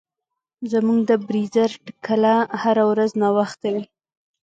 زموږ د بریځر ټکله هره ورځ ناوخته وي.